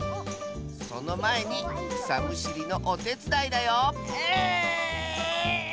そのまえにくさむしりのおてつだいだようあっ！